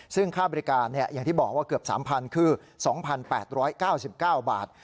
ซึ่งค่าบริการอย่างที่บอกว่าเกือบ๓๐๐คือ๒๘๙๙บาท